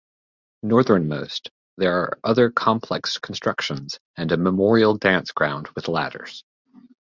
Northernmost, there are other complex constructions and a memorial dance ground with ladders.